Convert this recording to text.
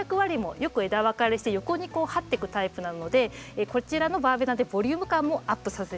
よく枝分かれして横にこう這っていくタイプなのでこちらのバーベナでボリューム感もアップさせちゃうという形で合わせて。